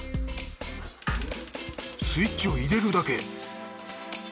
スイッチを入れるだけ。